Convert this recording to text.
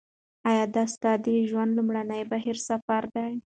ایا دا ستا د ژوند لومړنی بهرنی سفر دی؟